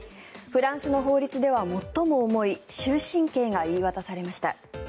フランスの法律では最も重い終身刑が言い渡されました。